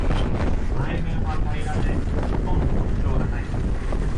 内面は平らで、ほとんど特徴がない。